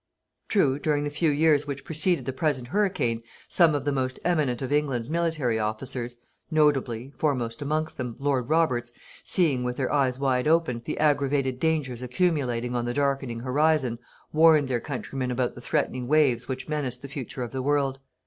True, during the few years which preceded the present hurricane, some of the most eminent of England's military officers, notably, foremost amongst them, Lord Roberts, seeing, with their eyes wide open, the aggravated dangers accumulating on the darkening horizon, warned their countrymen about the threatening waves which menaced the future of the world.